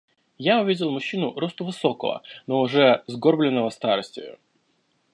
Я увидел мужчину росту высокого, но уже сгорбленного старостию.